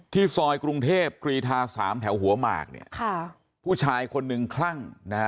ที่ซอยกรุงเทพฯครีทา๓แถวหัวหมากผู้ชายคนนึงคลั่ง